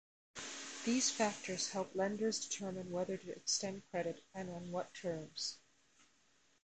These factors help lenders determine whether to extend credit, and on what terms.